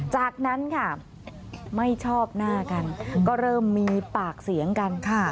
จากนั้นค่ะไม่ชอบหน้ากันก็เริ่มมีปากเสียงกันค่ะ